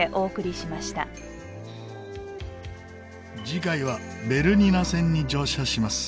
次回はベルニナ線に乗車します。